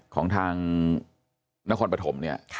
ของทางนครปฐมเนี่ย